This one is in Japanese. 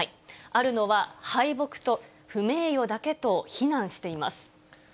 あるのは敗北と不名誉だけと非難しています。